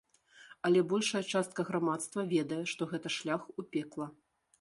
Але большая частка грамадства ведае, што гэта шлях у пекла.